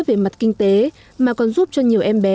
về mặt kinh tế mà còn giúp cho nhiều em bé